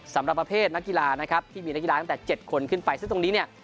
สำหรับประเภทนักกีฬานะครับที่มีนักกีฬาตั้งแต่๗คนขึ้นไปซึ่งตรงนี้เนี่ย